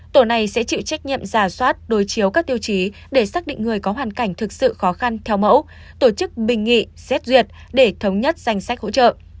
tổ này sẽ chịu trách nhiệm giả soát đối chiếu các tiêu chí để xác định người có hoàn cảnh thực sự khó khăn theo mẫu tổ chức bình nghị xét duyệt để thống nhất danh sách hỗ trợ